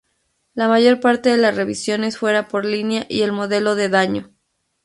La mayor parte de las revisiones fuera por línea y el modelo de daño.